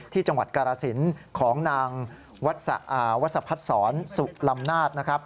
ที่จังหวัดกรสินของนางวัศพัทธ์สอนสุรรำนาจ